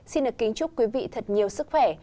xin được kính chúc quý vị thật nhiều sức khỏe